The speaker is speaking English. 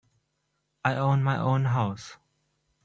I own my own house.